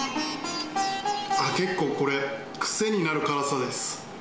結構これ、癖になる辛さです。